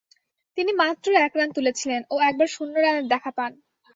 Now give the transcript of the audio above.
তিনি মাত্র এক রান তুলেছিলেন ও একবার শূন্য রানের দেখা পান।